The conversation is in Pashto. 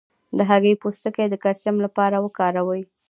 د هګۍ پوستکی د کلسیم لپاره وکاروئ